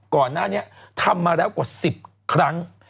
ก่อนหน้านี้ทำมาแล้วกว่า๑๐ครั้ง